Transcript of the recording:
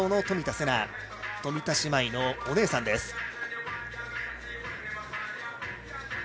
冨田姉妹のお姉さんです。